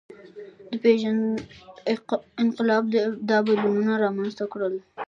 د پېژند انقلاب دا بدلونونه رامنځ ته کړل.